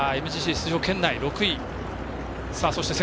ＭＧＣ出場権内、６位。